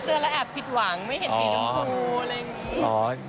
เจือนและแอบผิดหวังไม่เห็นสีชมพูอะไรแบบนี้